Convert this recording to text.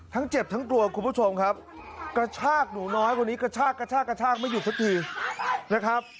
ทั้งเจ็บทั้งกลัวคุณผู้ชมครับกระชากหนูน้อยคนนี้กระชากกระชากกระชากไม่หยุดสักทีนะครับ